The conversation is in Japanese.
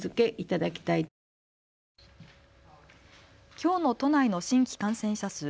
きょうの都内の新規感染者数。